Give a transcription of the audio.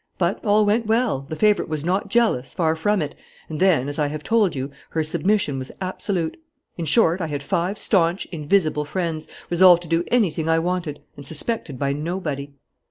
But all went well: the favourite was not jealous, far from it. And then, as I have told you, her submission was absolute. In short, I had five staunch, invisible friends, resolved to do anything I wanted and suspected by nobody.